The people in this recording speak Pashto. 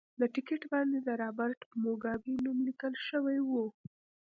د ټکټ باندې د رابرټ موګابي نوم لیکل شوی و.